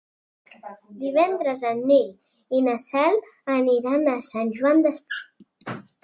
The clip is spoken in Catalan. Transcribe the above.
Divendres en Nil i na Cel aniran a Sant Joan Despí.